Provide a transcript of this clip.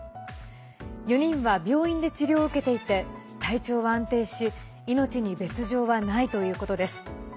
４人は病院で治療を受けていて体調は安定し命に別条はないということです。